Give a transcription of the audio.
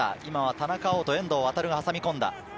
田中碧と遠藤航が挟み込んだ。